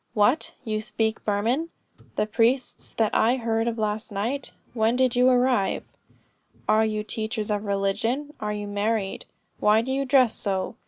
'What, you speak Burman? the priests that I heard of last night? When did you arrive? Are you teachers of religion? Are you married? Why do you dress so?'